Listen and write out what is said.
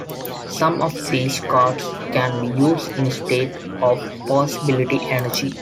Some of these cards can be used instead of Possibility energy.